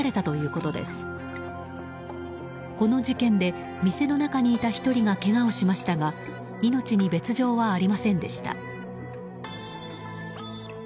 この事件で、店の中にいた１人がけがをしましたが命に別条はありませんでした。